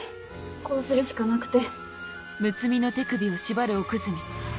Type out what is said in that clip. こうするしかなくて。